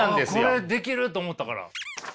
これできると思ったから。